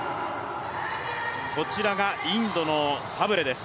こちらがインドのサブレです。